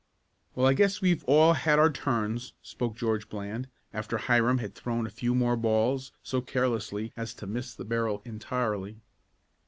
"Well, I guess we've all had our turns," spoke George Bland, after Hiram had thrown a few more balls so carelessly as to miss the barrel entirely.